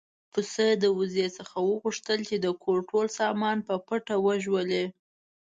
پسه د وزې څخه وغوښتل چې د کور ټول سامان په پټه ژوولی.